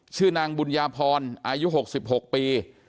ชื่อนางบุญญาพรอายุ๖๖ปี